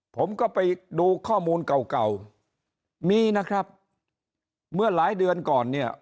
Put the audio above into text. ผมก็ไปดูข้อมูลเก่าเก่ามีนะครับเมื่อหลายเดือนก่อนเนี่ย